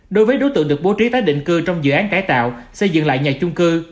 đối với đối tượng được bố trí tái định cư trong dự án cải tạo xây dựng lại nhà chung cư